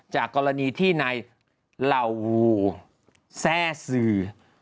จากกรณีที่ในลาวูแทร่สือ